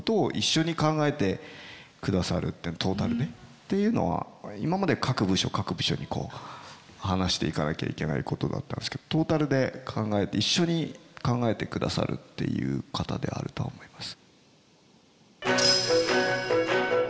っていうのは今まで各部署各部署にこう話していかなきゃいけないことだったんですけどトータルで一緒に考えてくださるっていう方ではあると思います。